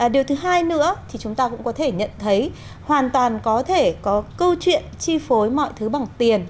điều thứ hai nữa thì chúng ta cũng có thể nhận thấy hoàn toàn có thể có câu chuyện chi phối mọi thứ bằng tiền